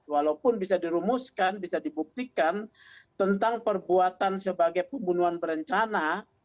walaupun bisa dirumuskan bisa dibuktikan tentang perbuatan sebagai pembunuhan berencana